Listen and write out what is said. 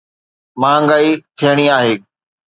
مهانگائي ٿيڻي آهي.